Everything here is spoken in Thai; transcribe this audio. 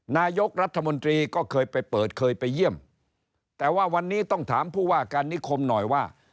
นายกรัฐมนตรีก็เคยไปเปิดเคยไปเยี่ยมแต่ว่าวันนี้ต้องถามผู้ว่าการนิคมหน่อยว่า